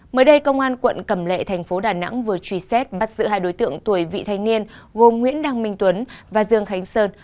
mới đây công an quận cầm lệ thành phố đà nẵng vừa truy xét bắt giữ hai đối tượng tuổi vị thanh niên gồm nguyễn đăng minh tuấn và dương khánh sơn